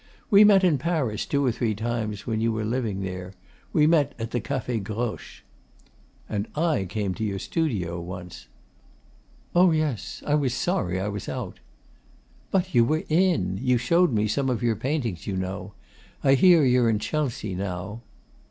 'We met in Paris two or three times when you were living there. We met at the Cafe Groche.' 'And I came to your studio once.' 'Oh yes; I was sorry I was out.' 'But you were in. You showed me some of your paintings, you know.... I hear you're in Chelsea now.